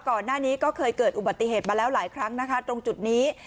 ก่อนหน้านี้ก็เคยเกิดอุบัติเหตุมาแล้วหลายครั้งนะคะตรงจุดนี้